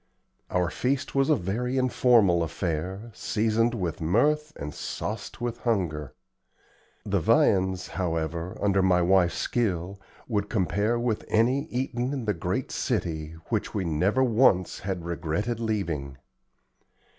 Our feast was a very informal affair, seasoned with mirth and sauced with hunger. The viands, however, under my wife's skill, would compare with any eaten in the great city, which we never once had regretted leaving.